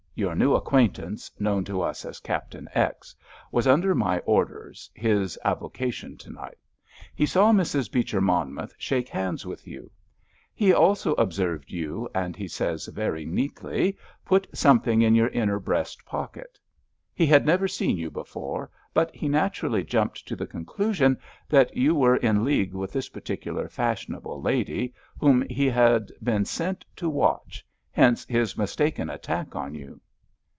Your new acquaintance, known to us as Captain X., was under my orders, his avocation to night. He saw Mrs. Beecher Monmouth shake hands with you. He also observed you—and he says, very neatly—put something in your inner breast pocket. He had never seen you before, but he naturally jumped to the conclusion that you were in league with this particular fashionable lady, whom he had been sent to watch, hence his mistaken attack on you."